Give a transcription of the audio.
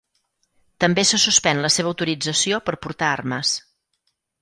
També se suspèn la seva autorització per portar armes.